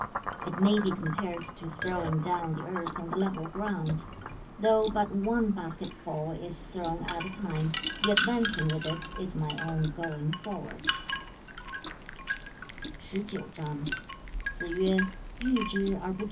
It may be compared to throwing down the earth on the level ground. Though but one basketful is thrown at a time, the advancing with it is my own going forward.'